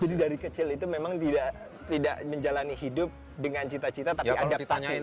jadi dari kecil itu memang tidak menjalani hidup dengan cita cita tapi adaptasi